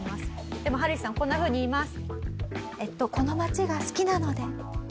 でもハルヒさんこんなふうに言います。